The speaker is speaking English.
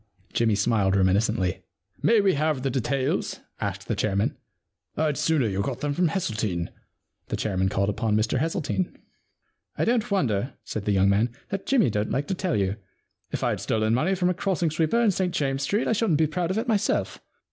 Jimmy smiled reminiscently. * May we have the details ?' asked the chairman. * rd sooner you got them from Hesseltine.' The chairman called upon Mr Hesseltine. * I don't wonder,' said that young man, * that Jimmy don't like to tell you. If I'd stolen money from a crossing sweeper in St James's Street I shouldn't be proud of it myself.